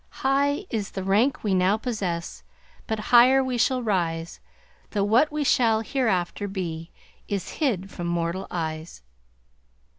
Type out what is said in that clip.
"High is the rank we now possess, But higher we shall rise; Though what we shall hereafter be Is hid from mortal eyes."